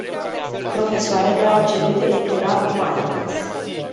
Profesoarele au cerut editura Humanitas.